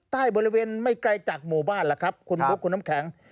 ใต้บริเวณไม่ไกลจากหมู่บ้านล่ะครับคุณบุ๊คคุณน้ำแข็ง